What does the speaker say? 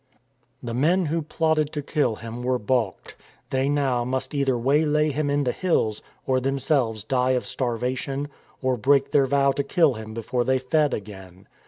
The men who plotted to kill him were baulked. They now must either waylay him in the hills or themselves die of starvation or break their vow to kill him before they fed again.